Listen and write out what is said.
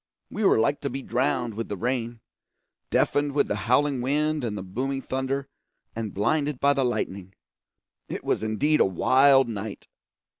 We were like to be drowned with the rain, deafened with the howling wind and the booming thunder, and blinded by the lightning. It was indeed a wild night.